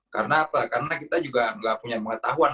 karena apa karena kita juga nggak punya pengetahuan